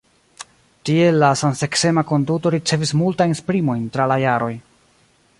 Tiel la samseksema konduto ricevis multajn esprimojn tra la jaroj.